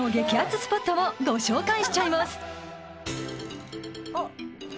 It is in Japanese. スポットをご紹介しちゃいます］